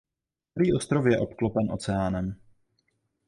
Celý ostrov je obklopen oceánem.